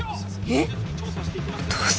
えっ！？